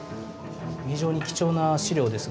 非常に貴重な資料です